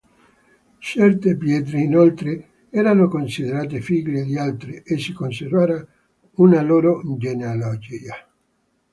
Certe pietre, inoltre, erano considerate figlie di altre e si conservava una loro genealogia.